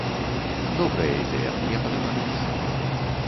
Добрая ідэя, мне падабаецца.